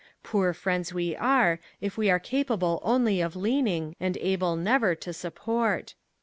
Poor friends we are, if we are capable only of leaning, and able never to support.